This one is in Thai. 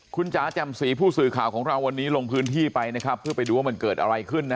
คุณจ๋าแจ่มสีผู้สื่อข่าวของเราวันนี้ลงพื้นที่ไปนะครับเพื่อไปดูว่ามันเกิดอะไรขึ้นนะ